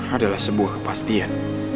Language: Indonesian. adalah sebuah kepastian